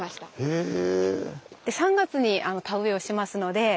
へえ。